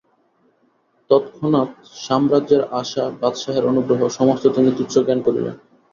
তৎক্ষণাৎ সাম্রাজ্যের আশা, বাদশাহের অনুগ্রহ, সমস্ত তিনি তুচ্ছ জ্ঞান করিলেন।